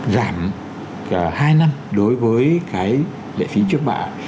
giảm hai năm đối với cái lệ phí chức mạng